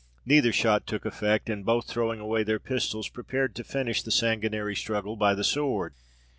Neither shot took effect, and both throwing away their pistols, prepared to finish the sanguinary struggle by the sword.